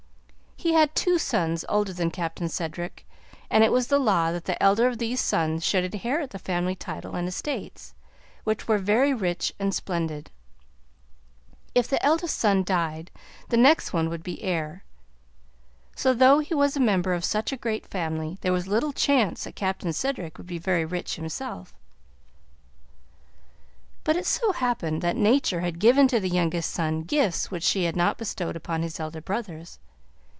He had two sons older than Captain Cedric; and it was the law that the elder of these sons should inherit the family title and estates, which were very rich and splendid; if the eldest son died, the next one would be heir; so, though he was a member of such a great family, there was little chance that Captain Cedric would be very rich himself. But it so happened that Nature had given to the youngest son gifts which she had not bestowed upon his elder brothers.